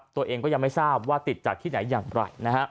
ตัวเองก็ยังไม่ทราบว่าติดจากที่ไหนอย่างไร